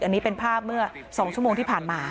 อันนี้เป็นภาพเมื่อ๒ชั่วโมงที่ผ่านมา